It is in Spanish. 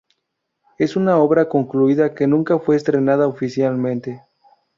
Es una obra concluida que nunca fue estrenada oficialmente.